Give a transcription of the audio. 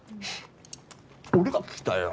俺が聞きたいよ。